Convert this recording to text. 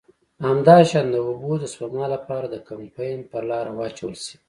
همداشان د اوبو د سپما له پاره د کمپاین پر لاره واچول شي.